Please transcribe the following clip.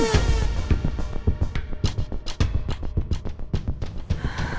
jadi abdul aml darah